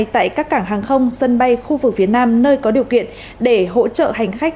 tại các cảng hàng không sân bay khu vực phía nam nơi có điều kiện để hỗ trợ hành khách